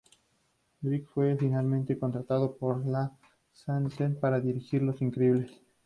Bird fue finalmente contratado por Lasseter para dirigir "Los Increíbles".